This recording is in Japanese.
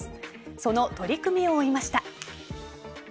その取り組みを追いました。